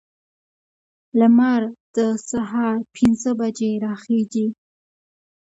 لمر د سهار پنځه بجې راخیزي.